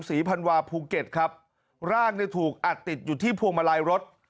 พันวาภูเก็ตครับร่างเนี่ยถูกอัดติดอยู่ที่พวงมาลัยรถ